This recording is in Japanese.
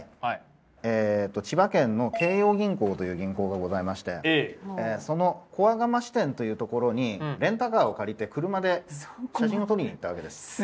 千葉県の京葉銀行という銀行がございましてその古和釜支店という所にレンタカーを借りて車で写真を撮りに行ったわけです。